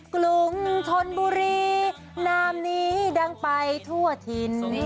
กรุงธนบุรีนามนี้ดังไปทั่วถิ่น